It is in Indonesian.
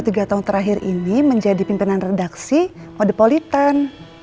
jadi saya baru tiga tahun terakhir ini menjadi pimpinan redaksi modepolitan